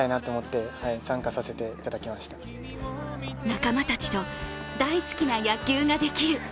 仲間たちと大好きな野球ができる。